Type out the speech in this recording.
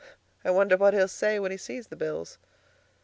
I wonder what he'll say when he sees the bills."